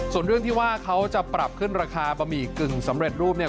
ส่วนเรื่องที่ว่าเขาจะปรับขึ้นราคาบะหมี่กึ่งสำเร็จรูปเนี่ย